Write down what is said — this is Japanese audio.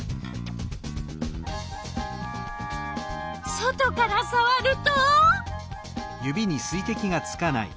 外からさわると？